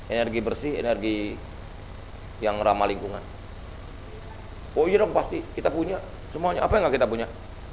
energi bersih energi yang ramah lingkungan oh iya dong pasti kita punya semuanya apa yang enggak kita punya